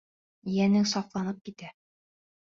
Йәнең сафланып китә.